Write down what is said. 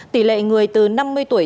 tỷ lệ người từ năm mươi tuổi